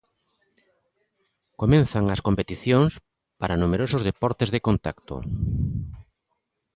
Comezan as competicións para numerosos deportes de contacto.